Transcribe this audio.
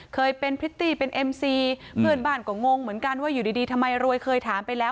เคยเป็นพริตตี้เป็นเอ็มซีเพื่อนบ้านก็งงเหมือนกันว่าอยู่ดีทำไมรวยเคยถามไปแล้ว